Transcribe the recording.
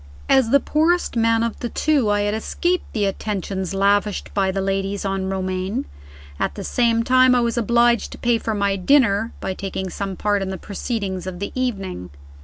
As the poorest man of the two I had escaped the attentions lavished by the ladies on Romayne. At the same time I was obliged to pay for my dinner, by taking some part in the proceedings of the evening.